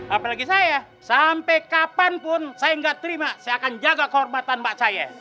apalagi saya sampai kapanpun saya nggak terima saya akan jaga kehormatan mbak saya